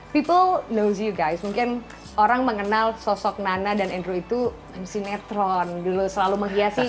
people nose you guys mungkin orang mengenal sosok nana dan andrew itu sinetron dulu selalu menghiasi